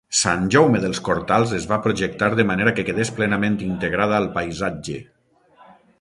Sant Jaume dels Cortals es va projectar de manera que quedés plenament integrada al paisatge.